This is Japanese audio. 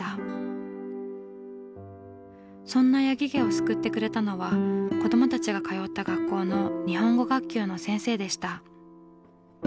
そんな八木家を救ってくれたのは子どもたちが通った学校の日本語学級の先生でした。